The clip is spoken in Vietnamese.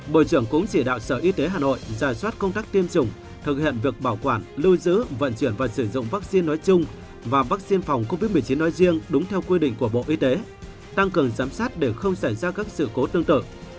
bộ trưởng cũng chỉ đạo sở y tế hà nội giả soát công tác tiêm chủng thực hiện việc bảo quản lưu giữ vận chuyển và sử dụng vaccine nói chung và vaccine phòng covid một mươi chín nói riêng đúng theo quy định của bộ y tế tăng cường giám sát để không xảy ra các sự cố tương tự